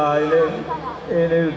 masa enggak dapat jantungan